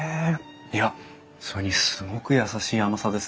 いやそれにすごく優しい甘さですね。